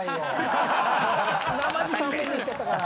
３問目いっちゃったから。